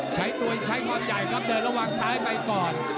ตัวเองใช้ความใหญ่ครับเดินระหว่างซ้ายไปก่อน